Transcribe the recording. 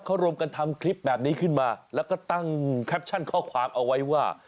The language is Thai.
เขารวมกันทำคลิปแบบนี้ขึ้นมาแล้วก็ตั้งแคปชั่นข้อความเอาไว้ว่า